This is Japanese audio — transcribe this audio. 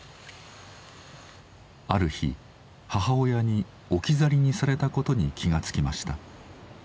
ある日母親に置き去りにされたことに気が付きました。